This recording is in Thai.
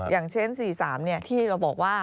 อย่างเช่น๔๓ที่เราบอกว่า